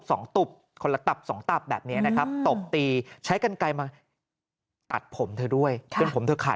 ตบคนละตับสองตับแบบนี้นะครับตบตีใช้กันไกลมาตัดผมเธอด้วยจนผมเธอขาด